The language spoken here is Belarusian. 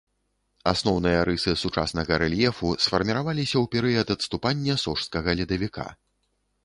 Асноўныя рысы сучаснага рэльефу сфарміраваліся ў перыяд адступання сожскага ледавіка.